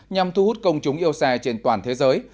nhằm thu hút công chúng yêu xe trên toàn thế giới